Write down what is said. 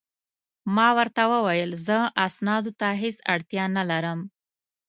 ما ورته وویل: زه اسنادو ته هیڅ اړتیا نه لرم.